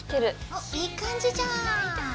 おっいい感じじゃん。